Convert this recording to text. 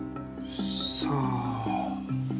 さあ？